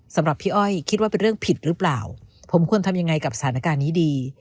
สำหรับพี่อ้อยคิดว่าเป็นเรื่องผิดหรือเปล่าผมควรทำยังไงกับสถานการณ์นี้ดี